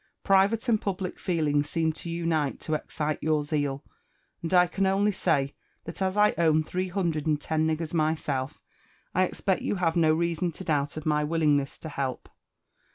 Private and public feelings seem to unite to exeitf your zeal; and I can only say, that as I ownihree hundred and ten niggers myself, I expect you havQ no reason to doubt of my willingness to help.